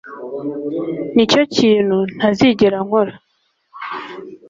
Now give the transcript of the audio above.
nicyo kintu ntazigera nkora